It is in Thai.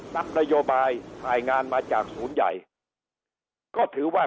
รับนโยบายรายงานมาจากศูนย์ใหญ่ก็ถือว่า